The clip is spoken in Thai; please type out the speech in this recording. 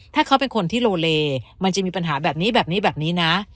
ถ้าเขาเป็นคนที่โลเลมันจะมีปัญหาแบบนี้แบบนี้แบบนี้นะ